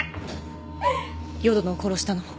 淀野を殺したのも。